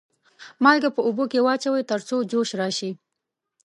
مالګه په اوبو کې واچوئ تر څو جوش راشي.